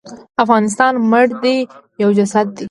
افغانستان مړ دی یو جسد دی.